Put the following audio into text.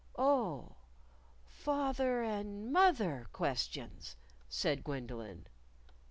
"Oh, fath er and moth er questions," said Gwendolyn.